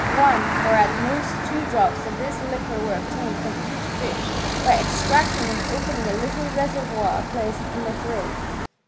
One, or at most two drops of this liquor were obtained from each fish^ by extracting and opening a little reservoir placed in the throat.